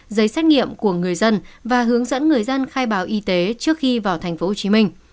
giấy xét nghiệm của người dân và hướng dẫn người dân khai báo y tế trước khi vào tp hcm